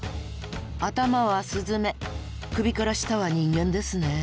頭はスズメ首から下は人間ですね。